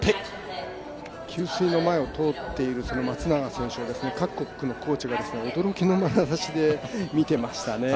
給水の前を通っている松永選手を各国のコーチが驚きのまなざしで見ていましたね。